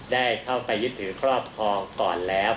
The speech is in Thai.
ได้เข้าไปยึดถือครอบครองก่อนแล้ว